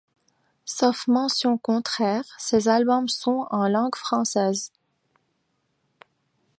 Sauf mention contraire, ces albums sont en langue française.